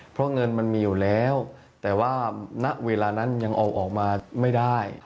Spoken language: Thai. เพราะเงินมันมีอยู่แล้วแต่ว่าณเวลานั้นยังเอาออกมาไม่ได้